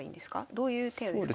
どういう手ですか？